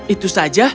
itu saja baiklah